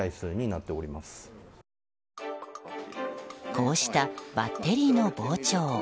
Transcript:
こうしたバッテリーの膨張。